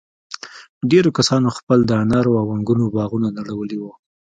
ډېرو کسانو خپل د انارو او انگورو باغونه نړولي وو.